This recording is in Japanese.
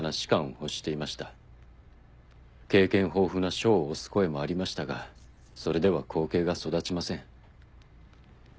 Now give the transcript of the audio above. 経験豊富な将を推す声もありましたがそれでは後継が育ちません。